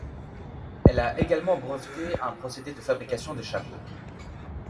Elle a également breveté un procédé de fabrication de chapeaux.